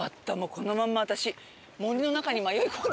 このまんま私。